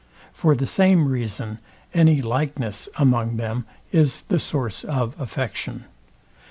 For the same reason any likeness among them is the source of affection.